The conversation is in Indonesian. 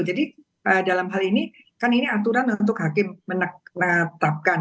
jadi dalam hal ini kan ini aturan untuk hakim menetapkan